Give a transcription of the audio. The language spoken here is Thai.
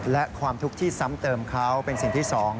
และความทุกข์ที่ซ้ำเติมเขาเป็นสิ่งที่๒